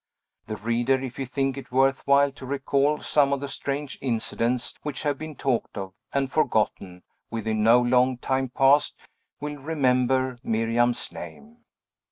The reader, if he think it worth while to recall some of the strange incidents which have been talked of, and forgotten, within no long time past, will remember Miriam's name.